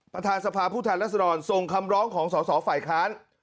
ประธานสภาพผู้แทนรัศดรส่งคำร้องของสอสอฝ่ายค้าน